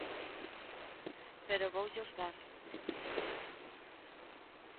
Pero voullos dar.